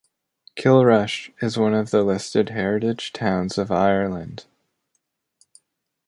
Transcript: Kilrush is one of the listed Heritage Towns of Ireland.